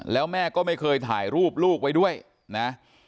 แล้วแม่ก็ไม่เคยถ่ายรูปลูกไว้ด้วยนะ